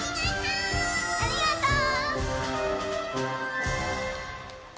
ありがとう！